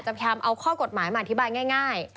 พยายามเอาข้อกฎหมายมาอธิบายง่าย